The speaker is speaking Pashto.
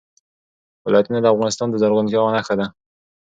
ولایتونه د افغانستان د زرغونتیا یوه نښه ده.